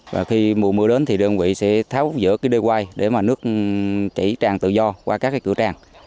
và khi mùa mưa đến thì đơn vị sẽ tháo giữa cái đê quay để mà nước chảy tràn tự do qua các cái cửa tràn